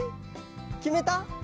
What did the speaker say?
きめた？